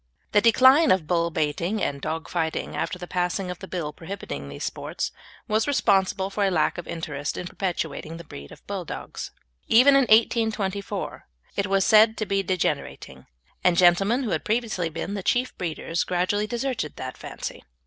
The decline of bull baiting and dog fighting after the passing of the Bill prohibiting these sports was responsible for a lack of interest in perpetuating the breed of Bulldogs. Even in 1824 it was said to be degenerating, and gentlemen who had previously been the chief breeders gradually deserted the fancy.